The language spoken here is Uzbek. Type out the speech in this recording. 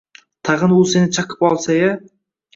Tag‘in u seni chaqib olsa-ya?